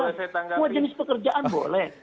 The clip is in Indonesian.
dpr jenis pekerjaan boleh